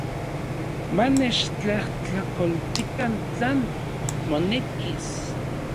Manechtlajtlakoltikan tlan monekis.